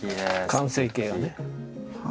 完成形がね。